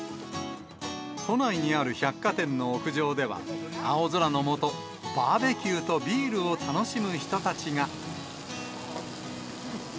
都内にある百貨店の屋上では、青空の下、バーベキューとビールを楽しむ人たちが。